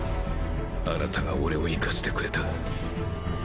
あなたが俺を生かしてくれた。